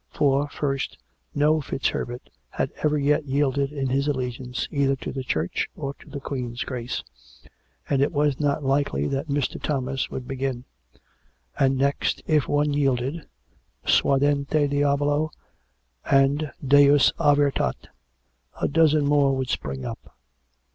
For, first, no FitzHerbert had ever yet yielded in his allegiance either to the Church or to the Queen's Grace; and it was not likely that Mr. Thomas would begin: and, next, if one yielded {suadente diabolo, and Deus avertat!) a dozen more would spring up.